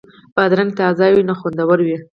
بادرنګ تازه وي نو خوندور وي.